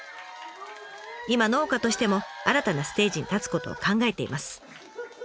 今農家としても新たなステージに立つことを考えています。